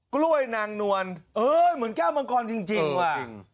กล้วยนางนวลเอ้ยเหมือนแก้วมังกรจริงว่ะ